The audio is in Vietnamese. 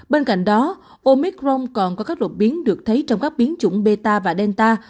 bên cạnh đó omicron còn có các đột biến được thấy trong các biến chủng beta và delta